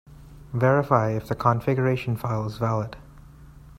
Verify if the configuration file is valid.